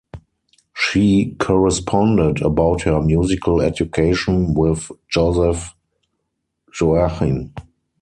She corresponded about her musical education with Joseph Joachim.